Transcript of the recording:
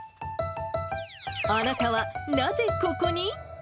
あなたはなぜここに？